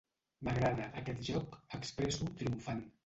M'agrada, aquest joc —expresso, triomfant.